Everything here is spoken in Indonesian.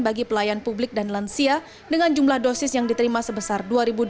bagi pelayan publik dan lansia dengan jumlah dosis yang diterima sebesar dua delapan ratus